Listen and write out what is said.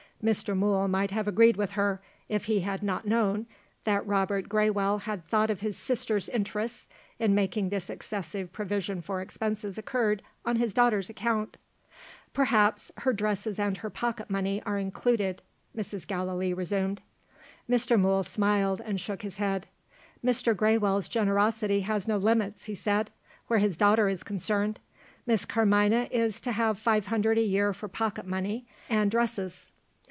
Mr. Mool might have agreed with her if he had nor known that Robert Graywell had thought of his sister's interests, in making this excessive provision for expenses incurred on his daughter's account. "Perhaps, her dresses and her pocket money are included?" Mrs. Gallilee resumed. Mr. Mool smiled, and shook his head. "Mr. Graywell's generosity has no limits," he said, "where his daughter is concerned. Miss Carmina is to have five hundred a year for pocket money and dresses."